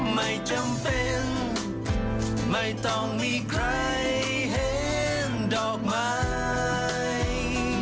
ไม่จำเป็นไม่ต้องมีใครเห็นดอกไม้